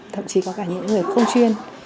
thậm chí có cả những người không chuyên